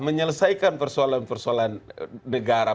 menyelesaikan persoalan persoalan negara